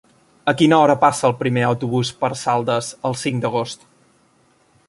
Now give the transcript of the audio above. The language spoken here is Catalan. A quina hora passa el primer autobús per Saldes el cinc d'agost?